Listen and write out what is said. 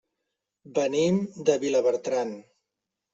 Venim de Vilabertran.